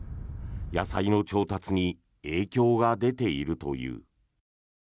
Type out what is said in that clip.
野菜の調達に影響が出ているという。